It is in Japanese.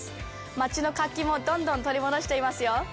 街の活気もどんどん取り戻していますよ。